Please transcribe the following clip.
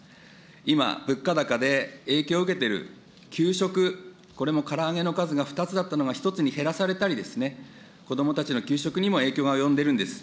今、物価高で、影響を受けてる給食、これもから揚げの数が２つだったのが、１つに減らされたり、子どもたちの給食にも影響が及んでいるんです。